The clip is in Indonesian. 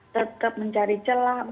tetap mencari celah